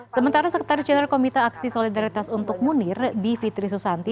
sementara sekretaris jenderal komite aksi solidaritas untuk munir bivitri susanti